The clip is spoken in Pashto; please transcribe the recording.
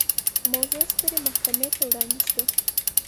موضوع سترې محکمې ته وړاندې شوه.